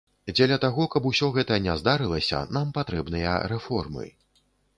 Дзеля таго, каб усё гэта не здарылася, нам патрэбныя рэформы.